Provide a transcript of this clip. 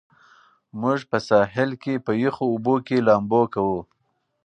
موږ په ساحل کې په یخو اوبو کې لامبو کوو.